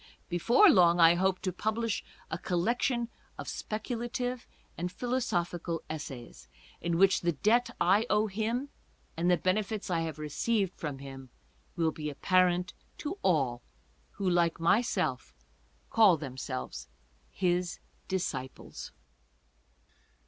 Before long I hope to publish a collection of speculative and philosophical essays, in which the debt I owe him and the bene fits I have received from him will be apparent to all who, like myself, call themselves his disciples.